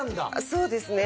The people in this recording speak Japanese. そうですね。